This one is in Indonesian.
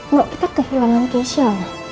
mbak kita kehilangan keisha